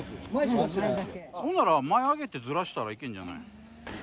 それなら、前上げてずらしたら、いけるんじゃないの？